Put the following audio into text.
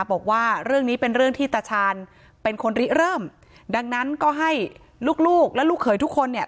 บอกว่าเรื่องนี้เป็นเรื่องที่ตาชาญเป็นคนริเริ่มดังนั้นก็ให้ลูกลูกและลูกเขยทุกคนเนี่ย